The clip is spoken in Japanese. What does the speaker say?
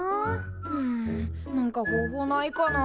うん何か方法ないかな。